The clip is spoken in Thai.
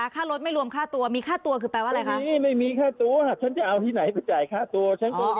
คนมหาศาลขนาดไหนอ่ะอ่าอ่าเห็นอยู่ค่ะเห็นอยู่ค่ะ